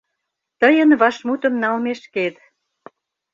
Тыйын вашмутым налмешкет.